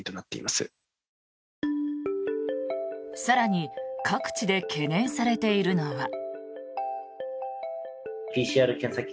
更に各地で懸念されているのは。